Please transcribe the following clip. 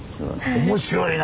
面白いな！